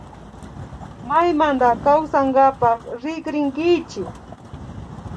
Maymanta kawsankapak rikrinkichi